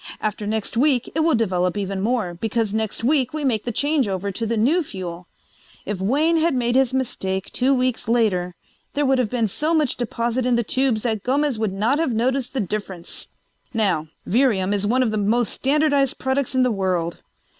After next week it will develop even more, because next week we make the changeover to the new fuel. If Wayne had made his mistake two weeks later there would have been so much deposit in the tubes that Gomez would not have noticed the difference. "Now, Virium is one of the most standardized products in the world.